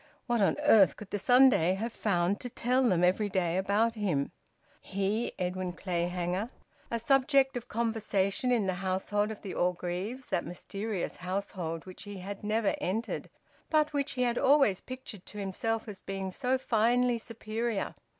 What on earth could the Sunday have found to tell them every day about him? He, Edwin Clayhanger, a subject of conversation in the household of the Orgreaves, that mysterious household which he had never entered but which he had always pictured to himself as being so finely superior!